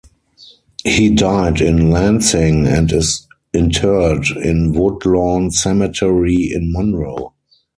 He died in Lansing and is interred in Woodlawn Cemetery in Monroe.